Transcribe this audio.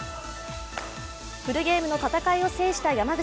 フルゲームの戦いを制した山口。